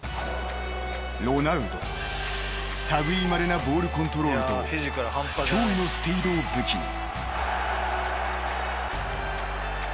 ［類いまれなボールコントロールと驚異のスピードを武器に］